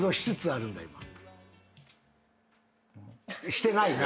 してないな。